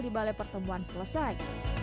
di balai pertemuan selesai